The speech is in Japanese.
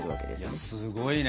いやすごいね。